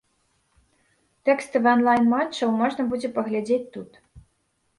Тэкставы анлайн матчаў можна будзе паглядзець тут.